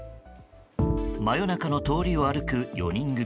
真夜中の通りを歩く４人組。